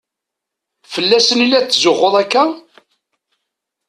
Fell-asen i la tetzuxxuḍ akka?